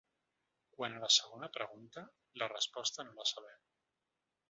Quant a la segona pregunta, la resposta no la sabem.